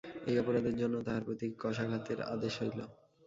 এই অপরাধের জন্য তাহাদের প্রতি কশাঘাতের আদেশ হইল।